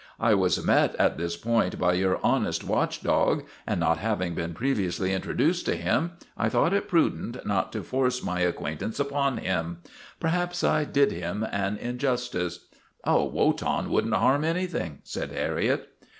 I was met at this point by your honest watch dog, and not having been pre viously introduced to him I thought it prudent not 228 WOTAN, THE TERRIBLE to force my acquaintance upon him. Perhaps I did him an injustice." " Oh, Wotan would n't harm anything," said Harriet.